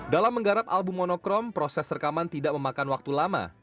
dalam menggarap album monokrom proses rekaman tidak memakan waktu lama